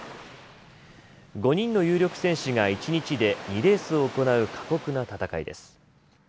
５人の有力選手が一日で２レースを行う過酷な戦いです。